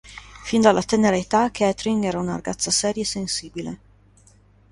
Fin dalla tenera età, Catherine era una ragazza seria e sensibile.